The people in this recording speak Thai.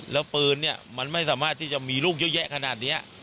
แล้วปืนเนี่ยมันไม่สามารถที่จะมีลูกเยอะแยะขนาดนี้